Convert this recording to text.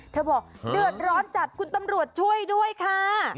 บอกเดือดร้อนจัดคุณตำรวจช่วยด้วยค่ะ